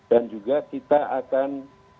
dan juga kita akan